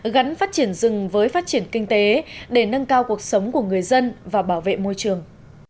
gắn phát triển rừng với phát triển kinh tế để nâng cao cuộc sống của người dân và bảo vệ môi trường